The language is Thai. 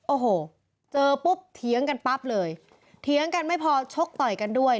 โอ้โหเจอปุ๊บเถียงกันปั๊บเลยเถียงกันไม่พอชกต่อยกันด้วย